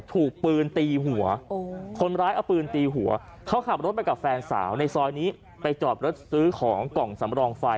ถูกปืนตีหัวคนร้ายเอาปืนตีหัวเขาขับรถไปกับแฟนสาวในซอยนี้ไปจอดรถซื้อของกล่องสำรองไฟ